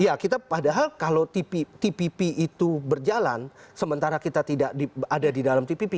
iya kita padahal kalau tpp itu berjalan sementara kita tidak ada di dalam tpp